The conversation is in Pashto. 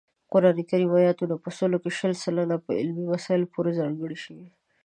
قران کریم آیاتونه په سلو کې شل سلنه په علمي مسایلو پورې ځانګړي شوي